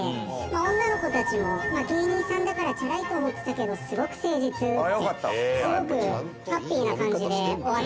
「女の子たちも芸人さんだからチャラいと思ってたけどすごく誠実！ってすごくハッピーな感じで終わっていったんですよ」